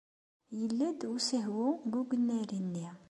Yella-d usehwu deg ugennari-nni.